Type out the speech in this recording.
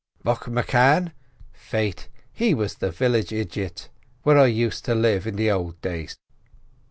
"Buck M'Cann? Faith, he was the village ijit where I used to live in the ould days."